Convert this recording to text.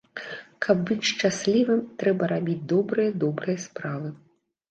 Каб быць шчаслівым, трэба рабіць добрыя добрыя справы.